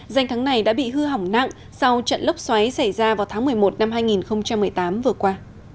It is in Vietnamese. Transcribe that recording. danh thắng này đã bị hư hỏng nặng sau trận lốc xoáy xảy ra vào tháng một mươi một năm hai nghìn một mươi tám vừa qua